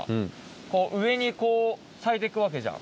こう上に咲いて行くわけじゃん。